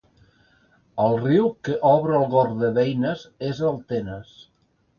El riu que obre el Gorg de Beines és el Tenes.